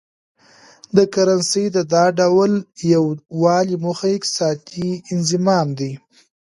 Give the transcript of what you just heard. د کرنسۍ د دا ډول یو والي موخه اقتصادي انضمام دی.